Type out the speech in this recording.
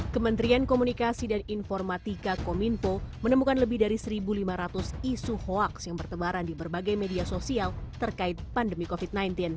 kementerian komunikasi dan informatika kominfo menemukan lebih dari satu lima ratus isu hoaks yang bertebaran di berbagai media sosial terkait pandemi covid sembilan belas